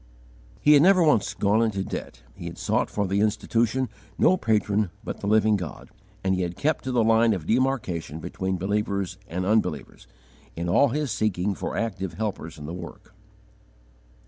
He had never once gone into debt; he had sought for the Institution no patron but the Living God; and he had kept to the line of demarcation between believers and unbelievers, in all his seeking for active helpers in the work.